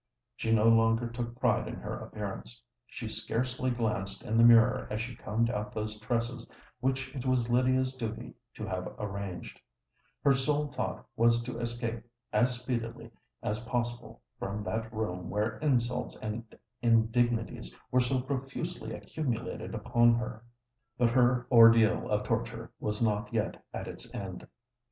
She no longer took pride in her appearance:—she scarcely glanced in the mirror as she combed out those tresses which it was Lydia's duty to have arranged;—her sole thought was to escape as speedily as possible from that room where insults and indignities were so profusely accumulated upon her. But her ordeal of torture was not yet at its end.